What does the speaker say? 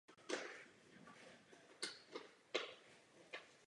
Jeho hlavním okruhem témat jsou lidská práva a demokracie.